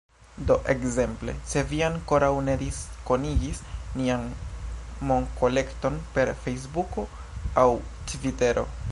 Do ekzemple, se vi ankoraŭ ne diskonigis nian monkolekton per Fejsbuko aŭ Tvitero